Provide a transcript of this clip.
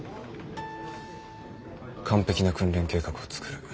完璧な訓練計画を作る。